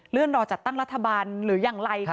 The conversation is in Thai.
เลื่อนรอจัดตั้งรัฐบาลหรือยังไร